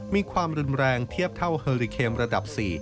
มีความรุนแรงเทียบเท่าเฮอริเคมระดับ๔